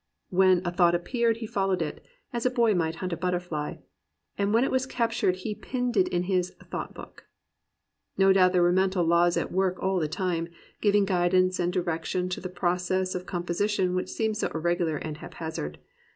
When a thought appeared he followed it, "as a boy might hunt a butterfly," and when it was captured he pinned it in his "thought book." No doubt there were mental laws at work all the time, giving gui dance and direction to the process of composition which seemed so irregular and haphazard.